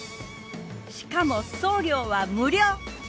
しかも送料は無料。